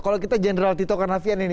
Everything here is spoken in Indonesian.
kalau kita general tito karnavian ini